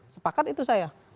sepakat itu saya